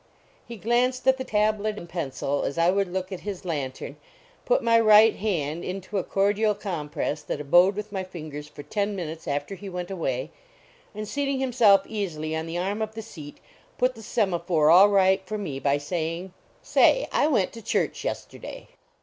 He glanced at the tablet and pencil as I would look at his lantern, put my right hand into a cordial compress that abode with my fingers for ten minutes after he went away, and seating him self easily on the arm of the seat, put the semaphore all right for me by saying :" Say, I went to church yesterday."